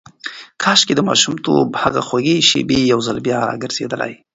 کاشکې د ماشومتوب هغه خوږې شېبې یو ځل بیا راګرځېدلای.